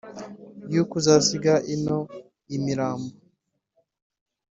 y’uko uzasiga ino imirambo